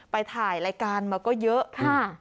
ไปถ่ายรายการมาก็เยอะค่ะ